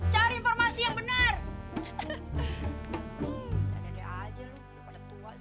cari informasi yang benar